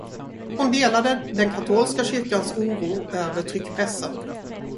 Hon delade den katolska kyrkans oro över tryckpressen.